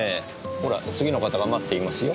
ほら次の方が待っていますよ。